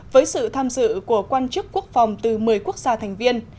với sự tham dự của quan chức quốc phòng từ một mươi quốc gia thành viên